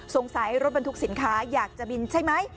รถบรรทุกสินค้าอยากจะบินใช่ไหม